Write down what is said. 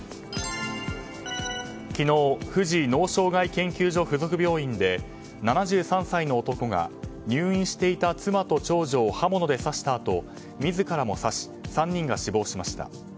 昨日富士脳障害研究所附属病院で７３歳の男が入院していた妻と長女を刃物で刺したあと自らも刺し、３人が死亡しました。